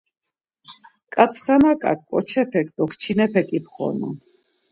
Ǩantsxanaǩa ǩoçepek do ǩinçepek imxonan.